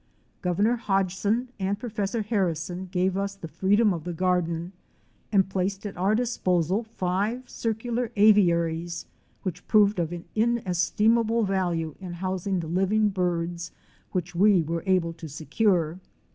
Governor Hodgson and Prof. Harrison gave us the free dom of the garden and placed at our disposal five circular aviaries which proved of inestimable value in housing the living birds which we were able to secure.